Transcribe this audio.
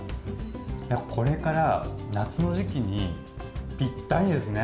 これから夏の時期にぴったりですね。